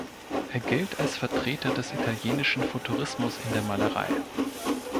Er gilt als Vertreter des italienischen Futurismus in der Malerei.